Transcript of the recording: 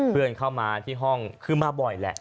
เพื่อนเข้ามาที่ห้องคือมาบ่อยแหละ